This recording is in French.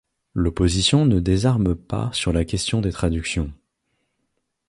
L’opposition ne désarme pas sur la question des traductions.